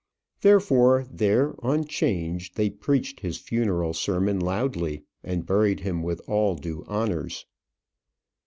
Therefore, there, on 'Change, they preached his funeral sermon loudly, and buried him with all due honours.